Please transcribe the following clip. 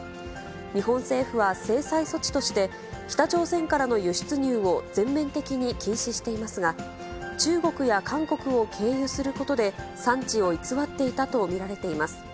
日本政府は、制裁措置として、北朝鮮からの輸出入を全面的に禁止していますが、中国や韓国を経由することで、産地を偽っていたと見られています。